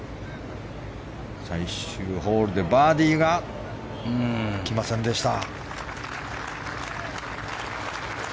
スミス、最終ホールでバーディーはきませんでした。